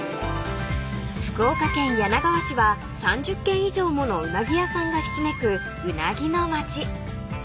［福岡県柳川市は３０軒以上ものうなぎ屋さんがひしめくうなぎの町］